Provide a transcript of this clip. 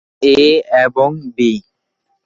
এ এবং বি।